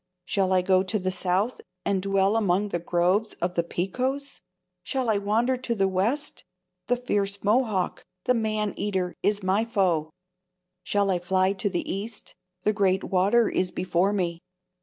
Shall I go to the south, and dwell among the groves of the Pequots? Shall I wander to the west? the fierce Mohawk—the man eater—is my foe. Shall I fly to the east?—the great water is before me.